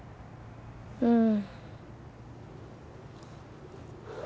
うん。